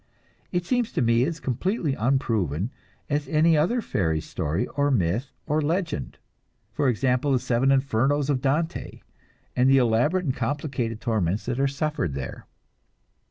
It seems to me as completely unproven as any other fairy story, or myth, or legend for example, the seven infernos of Dante, and the elaborate and complicated torments that are suffered there.